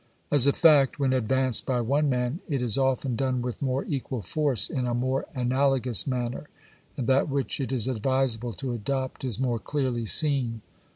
As a fact, when advanced by one man, it is often done with more equal force, in a more analogous manner, and that which it is advisable to adopt is more clearly seen.